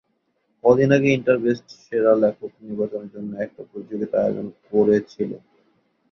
কদিন আগে ইন্টারবেস্ট সেরা লেখক নির্বাচনের জন্য একটা প্রতিযোগিতা আয়োজন করেছিল।